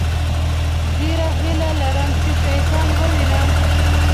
ډېره هیله لرم چې شیطان ووينم.